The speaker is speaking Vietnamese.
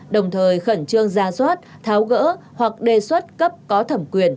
đồng thời khẩn trương gia soát tháo gỡ hoặc đề soát cấp có thẩm quyền